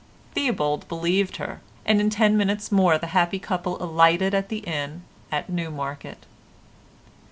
Theobald believed her, and in ten minutes more the happy couple alighted at the inn at Newmarket.